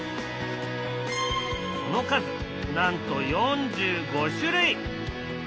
その数なんと４５種類。